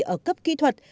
ở cấp kỹ thuật